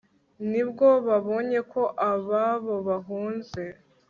ni bwo babonye ko ababo bahunze